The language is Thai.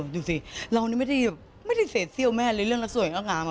ดูสิเราไม่ได้เซศเซียลแม่เลยเรื่องรักสวยรักนาม